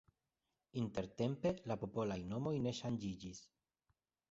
Intertempe la popolaj nomoj ne ŝanĝiĝis.